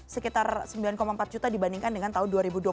sekitar sembilan empat juta dibandingkan dengan tahun dua ribu dua puluh